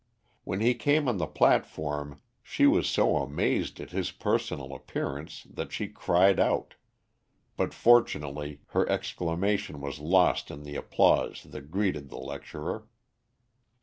When he came on the platform she was so amazed at his personal appearance that she cried out, but fortunately her exclamation was lost in the applause that greeted the lecturer.